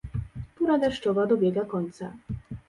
Pora deszczowa dobiega końca